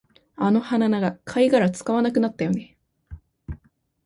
あの鼻長、貝殻使わなくなったよね